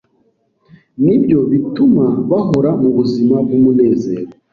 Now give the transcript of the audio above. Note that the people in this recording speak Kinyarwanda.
nibyo bituma bahora mu buzima bw’umunezero.